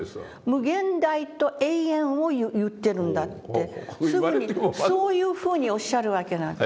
「無限大と永遠を言ってるんだ」ってそういうふうにおっしゃるわけなんです。